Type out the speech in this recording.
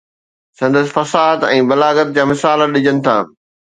سندس فصاحت ۽ بلاغت جا مثال ڏجن ٿا.